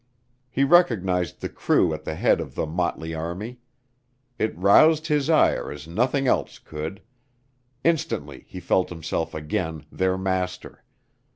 He recognized the crew at the head of the motley army. It roused his ire as nothing else could. Instantly he felt himself again their master.